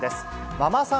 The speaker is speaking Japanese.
ママさん